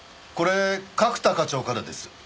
これ角田課長からです。